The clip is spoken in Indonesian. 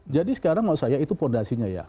jadi sekarang kalau saya itu fondasinya ya